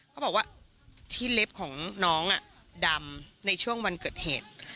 เขาบอกว่าที่เล็บของน้องดำในช่วงวันเกิดเหตุ